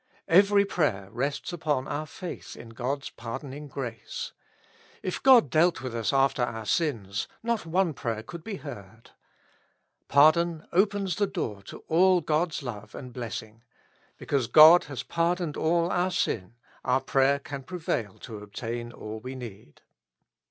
Every prayer rests upon our faith in God's pardoning grace. If God dealt with us after our sins, not one prayer could be heard. Pardon opens the door to all God's love and blessing; because God has pardoned all our sin, our prayer can prevail to obtain all we need.